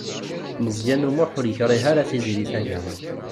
Meẓyan U Muḥ ur yekṛig ara Tiziri Tagawawt.